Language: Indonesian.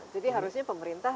jadi harusnya pemerintah